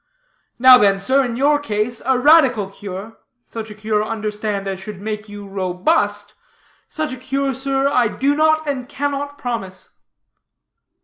Now then, sir, in your case, a radical cure such a cure, understand, as should make you robust such a cure, sir, I do not and cannot promise."